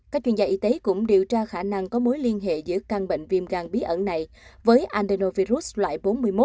các chuyên gia y tế cũng điều tra khả năng có mối liên hệ giữa căn bệnh viêm gan bí ẩn này với andenovirus loại bốn mươi một